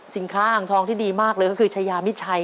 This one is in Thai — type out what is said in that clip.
อ่างทองที่ดีมากเลยก็คือชายามิชัย